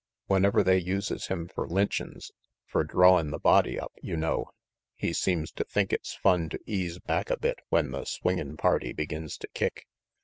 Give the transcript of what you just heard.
Whenever they uses him fer lynchin's, fer drawin' the body up, you know, he seems to think it's fun to ease back a bit when the swingin' party begins to kick.